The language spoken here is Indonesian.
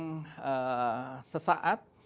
politik yang sesaat